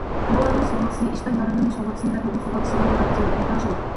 داۋالىنىش سۇغۇرتىسى، ئىشتا يارىلىنىش سۇغۇرتىسى ۋە تۇغۇت سۇغۇرتىسىنىڭ دورا تىزىملىكىنى تەڭشىدۇق.